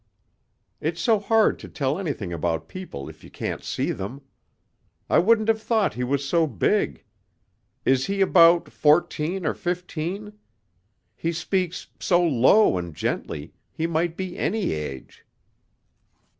"It's so hard to tell anything about people if you can't see them. I wouldn't have thought he was so big. Is he about fourteen or fifteen? He speaks so low and gently; he might be any age."